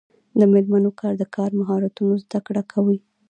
د میرمنو کار د کار مهارتونو زدکړه کوي.